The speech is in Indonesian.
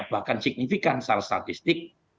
bahkan signifikan secara statistik